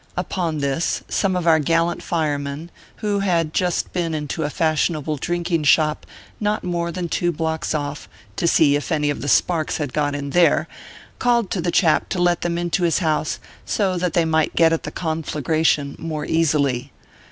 Upon this., some of our gallant firemen, who had just been into a fashionable drinking shop not more than two blocks off, to see if any of the sparks had got in there, called to the chap to let them into his house, so that they might get at the conflagration more easily.